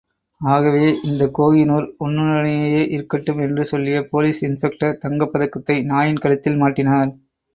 ஆகவே, இந்த கோஹினூர் உன்னுடனேயே இருக்கட்டும் என்று சொல்லிய போலீஸ் இன்ஸ்பெக்டர் தங்கப் பதக்கத்தை நாயின் கழுத்தில் மாட்டினார்.